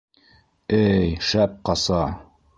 Эй шәп ҡаса!